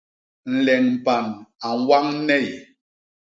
Nleñ mpan a ñwañ ney.